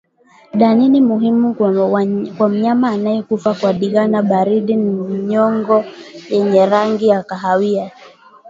Dalili muhimu kwa mnyama aliyekufa kwa ndigana baridi ni nyongo yenye rangi ya kahawia